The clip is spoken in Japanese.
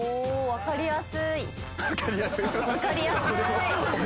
分かりやすい。